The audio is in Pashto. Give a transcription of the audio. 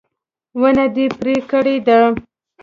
ونه دې پرې کړې ده